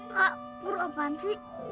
kaka pur apaan sih